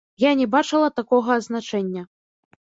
Я не бачыла такога азначэння.